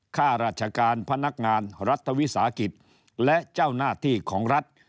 ข้าราชการพนักงานรัฐวิสาหกิจและเจ้าหน้าที่ของรัฐ